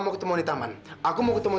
begitulah ngacau k aquilo kamu ya